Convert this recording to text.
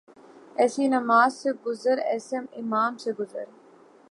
ایسی نماز سے گزر ایسے امام سے گزر